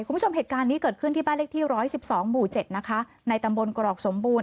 คุณผู้ชมเหตุการณ์นี้เกิดขึ้นที่บ้านเลขที่ร้อยสิบสองหมู่เจ็ดนะคะในตำบลกรอกสมบูรณ